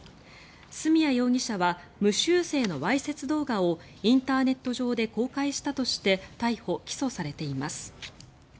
角谷容疑者は無修正のわいせつ動画をインターネット上で公開したとして逮捕・起訴されています。